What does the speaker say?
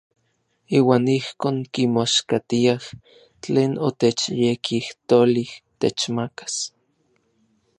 Iuan ijkon kimoaxkatiaj tlen otechyekijtolij techmakas.